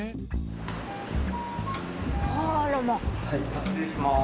失礼します。